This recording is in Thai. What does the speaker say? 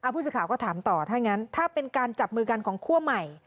ผู้สื่อข่าวก็ถามต่อถ้างั้นถ้าเป็นการจับมือกันของคั่วใหม่